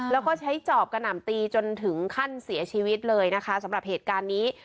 แล้วก็ใช้จอบกระหน่ำตีจนถึงขั้นเสียชีวิตเลยนะคะสำหรับเหตุการณ์นี้